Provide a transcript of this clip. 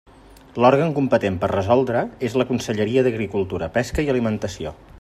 L'òrgan competent per a resoldre és la consellera d'Agricultura, Pesca i Alimentació.